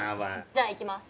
じゃあいきます。